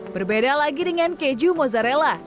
berbeda lagi dengan keju mozzarella